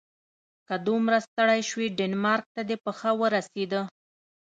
که دومره ستړی شوې ډنمارک ته دې پښه ورسیده.